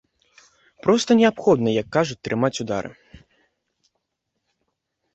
Проста неабходна, як кажуць, трымаць удары.